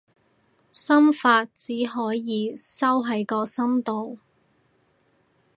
心法，只可以收喺個心度